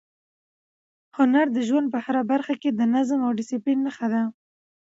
هنر د ژوند په هره برخه کې د نظم او ډیسپلین نښه ده.